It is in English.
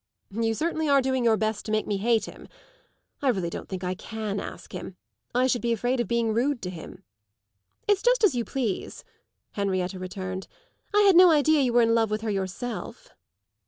"You certainly are doing your best to make me hate him! I really don't think I can ask him. I should be afraid of being rude to him." "It's just as you please," Henrietta returned. "I had no idea you were in love with her yourself."